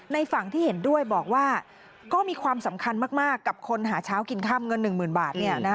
ฝั่งที่เห็นด้วยบอกว่าก็มีความสำคัญมากกับคนหาเช้ากินค่ำเงิน๑๐๐๐บาท